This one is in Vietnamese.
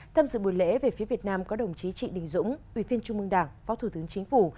tham dự buổi lễ về phía việt nam có đồng chí trị đình dũng ủy viên trung mương đảng phó thủ tướng chính phủ